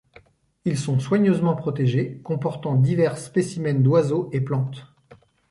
Ils sont soigneusement protégés, comportant divers spécimens d'oiseaux et plantes.